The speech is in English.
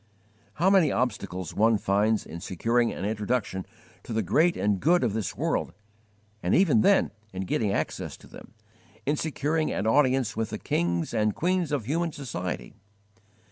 How many obstacles one finds in securing an introduction to the great and good of this world, and even then in getting access to them, in securing an audience with the kings and queens of human society!